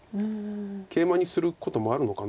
ケイマにすることもあるのかな。